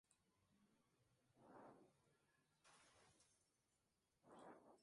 Actualmente la zona es residencial, conservando algunas edificaciones de gran valor histórico y arquitectónico.